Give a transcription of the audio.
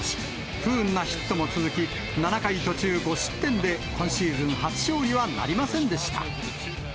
不運なヒットも続き、７回途中５失点で、今シーズン初勝利はなりませんでした。